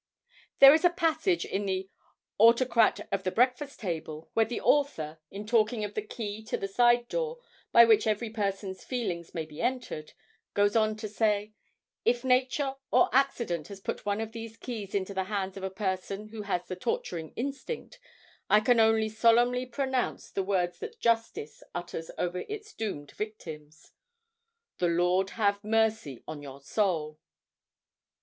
There is a passage in the 'Autocrat of the Breakfast Table' where the author, in talking of the key to the side door by which every person's feelings may be entered, goes on to say, 'If nature or accident has put one of these keys into the hands of a person who has the torturing instinct, I can only solemnly pronounce the words that justice utters over its doomed victims, "The Lord have mercy on your soul!"'